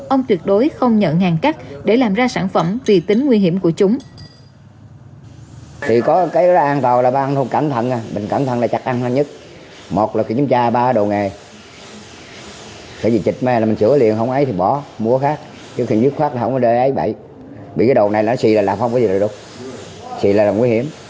ông tuyệt đối không nhận hàng cắt để làm ra sản phẩm vì tính nguy hiểm của chúng